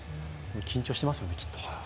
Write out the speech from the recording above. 緊張していますよね、きっと。